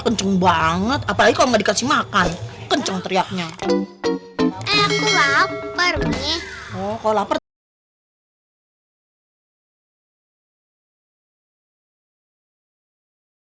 kenceng banget apalagi kalau nggak dikasih makan kenceng teriaknya eh aku lapar nih oh kalau lapar